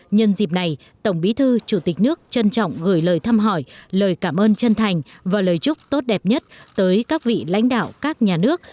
nhân dịp này tổng bí thư chủ tịch nước trân trọng gửi lời thăm hỏi lời cảm ơn chân thành và lời chúc tốt đẹp nhất tới các vị lãnh đạo các nhà nước